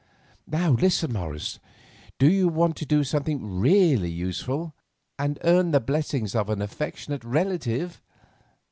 Now, listen, Morris; do you want to do something really useful, and earn the blessings of an affectionate relative?